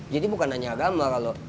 jadi bukan hanya agama